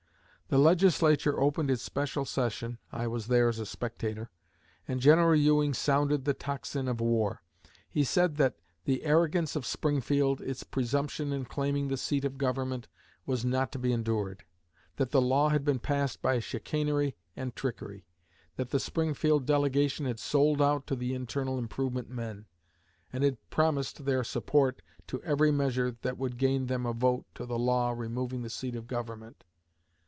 The Legislature opened its special session (I was there as a spectator), and General Ewing sounded the tocsin of war. He said that 'the arrogance of Springfield, its presumption in claiming the seat of government, was not to be endured; that the law had been passed by chicanery and trickery; that the Springfield delegation had sold out to the internal improvement men, and had promised their support to every measure that would gain them a vote to the law removing the seat of government.'